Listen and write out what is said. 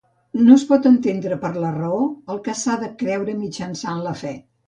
No es pot entendre per la Raó el que s'ha de creure mitjançant la Fe.